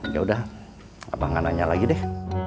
yaudah abah ngananya lagi deh